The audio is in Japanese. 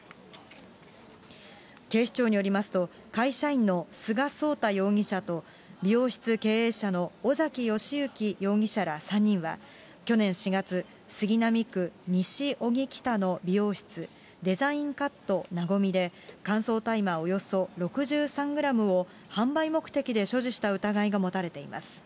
警視庁によりますと、会社員の菅そうた容疑者と、美容室経営者の尾崎義行容疑者ら３人は、去年４月、杉並区西荻北の美容室、デザインカットなごみで、乾燥大麻およそ６３グラムを販売目的で所持した疑いが持たれています。